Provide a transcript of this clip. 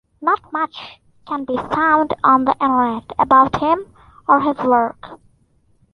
Not much can be found on the Internet about him or his work.